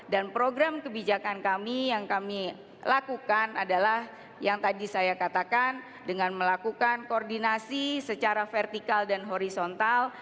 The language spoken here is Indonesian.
dan program kebijakan kami yang kami lakukan adalah yang tadi saya katakan dengan melakukan koordinasi secara vertikal dan horizontal